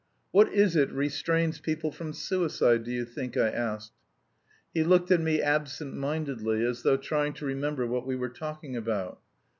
"What is it restrains people from suicide, do you think?" I asked. He looked at me absent mindedly, as though trying to remember what we were talking about.